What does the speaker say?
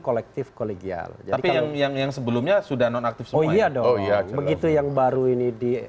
kolektif kolegial tapi yang yang sebelumnya sudah non aktif oh iya dong begitu yang baru ini di